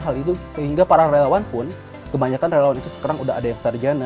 hal itu sehingga para relawan pun kebanyakan relawan itu sekarang udah ada yang sarjana